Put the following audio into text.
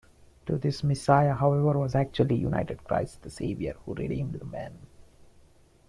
To this Messiah, however, was actually united Christ the Saviour, who redeemed men.